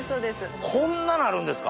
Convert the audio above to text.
こんななるんですか？